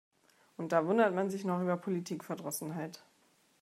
Und da wundert man sich noch über Politikverdrossenheit.